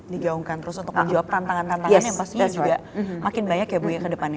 digaungkan terus untuk menjawab tantangan tantangan yang pastinya juga makin banyak ya bu ya ke depannya